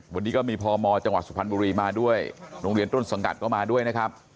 วันนี้ก็มีพมจังหวัดสุพรรณบุรีมาด้วยโรงเรียนต้นสังกัดก็มาด้วยนะครับ